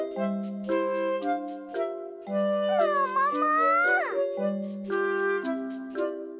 ももも！